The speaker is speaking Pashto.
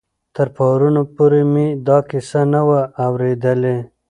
تر پرون پورې مې دا کیسه نه وه اورېدلې.